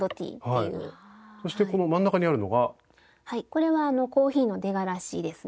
これはコーヒーの出がらしですね。